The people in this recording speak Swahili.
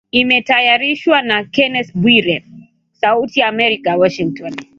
Imetayarishwa na Kennes Bwire, Sauti ya Amerika, Washington.